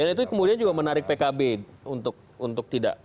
dan itu kemudian juga menarik pkb untuk tidak